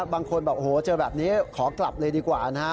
บางคนเจอแบบนี้ขอกลับเลยดีกว่านะ